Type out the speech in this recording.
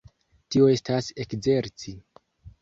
Tio estas ekzerci.